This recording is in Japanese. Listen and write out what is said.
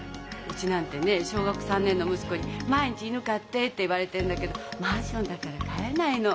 うちなんてね小学３年の息子に毎日「犬飼って」って言われてるんだけどマンションだから飼えないの。